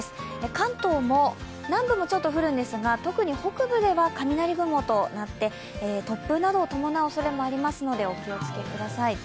関東も南部も降りますが特に北部では雷雲となって、突風なども伴うおそれもありますのでお気をつけください。